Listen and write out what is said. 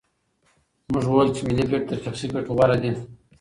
موږ وویل چې ملي ګټې تر شخصي ګټو غوره دي.